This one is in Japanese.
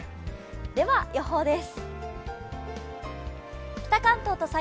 では予報です。